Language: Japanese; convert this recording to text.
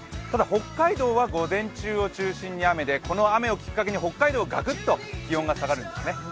ただ北海道は午前中を中心に雨でこの雨をきっかけに北海道ガクッと気温が下がるんですね。